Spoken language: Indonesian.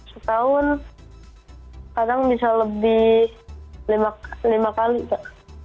setahun kadang bisa lebih lima kali kak